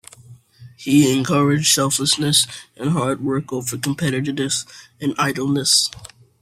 He encouraged selflessness and hard work over competitiveness and idleness.